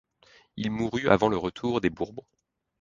Il mourut avant le retour des Bourbons.